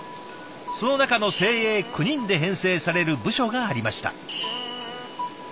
その中の精鋭９人で編成される部署がありました。